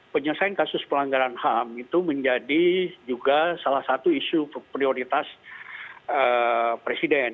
penyelesaian kasus pelanggaran ham itu menjadi juga salah satu isu prioritas presiden